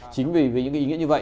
chính vì những ý nghĩa như vậy